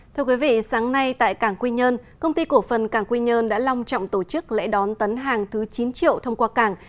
thưa quý vị sáng nay tại cảng quy nhơn công ty cổ phần cảng quy nhơn đã long trọng tổ chức lễ đón tấn hàng thứ chín triệu thông qua cảng